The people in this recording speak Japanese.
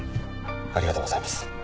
ありがとうございます。